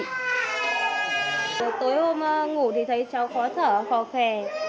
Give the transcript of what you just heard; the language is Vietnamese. tối hôm ngủ thì thấy cháu khó thở khó khề